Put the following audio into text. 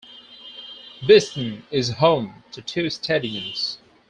Beeston is home to two stadiums.